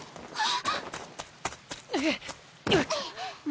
あっ。